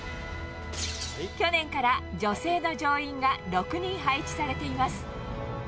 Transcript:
去年から、女性の乗員が６人配置されています。